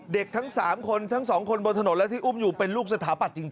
เด็กทั้งสามคนทั้งสองคนบนถนนแล้วที่อุ้มอยู่เป็นลูกสถาบัติจริงเว้ย